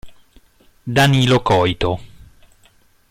Danilo Coito